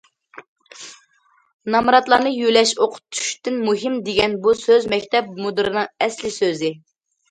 «‹ نامراتلارنى يۆلەش ئوقۇتۇشتىن مۇھىم› دېگەن بۇ سۆز مەكتەپ مۇدىرىنىڭ ئەسلىي سۆزى».